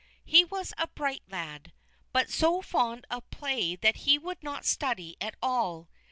He was a bright lad, but so fond of play that he would not study at all.